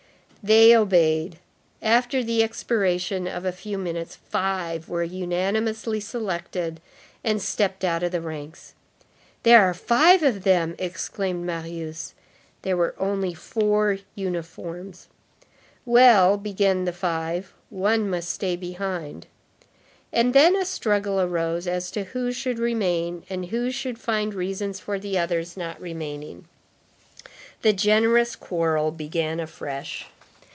They obeyed. After the expiration of a few minutes, five were unanimously selected and stepped out of the ranks. "There are five of them!" exclaimed Marius. There were only four uniforms. "Well," began the five, "one must stay behind." And then a struggle arose as to who should remain, and who should find reasons for the others not remaining. The generous quarrel began afresh.